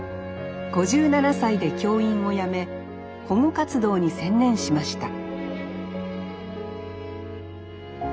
５７歳で教員を辞め保護活動に専念しました